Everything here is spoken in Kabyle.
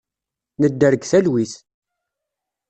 Nedder deg talwit.